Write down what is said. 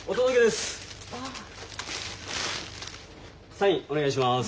サインお願いします。